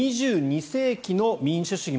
２２世紀の民主主義。